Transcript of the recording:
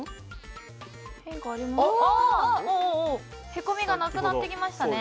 へこみがなくなってきましたね。